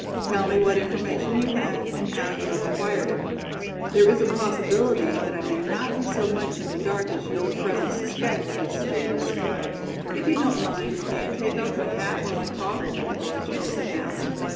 Tell me what information you have and how you have acquired it. There is a possibility that I may not be so much in the dark as you at present suspect, Miss Jamison." "If you don't mind, may I take off my hat while I talk?" Nora Jamison asked.